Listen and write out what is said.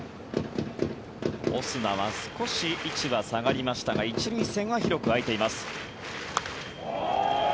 オスナは少し位置は下がりましたが１塁線は広く空いています。